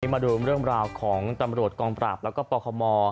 มาดูเรื่องราวของตำรวจกองปราบแล้วก็ปคม